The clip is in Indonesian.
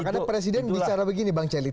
karena presiden bicara begini bang celia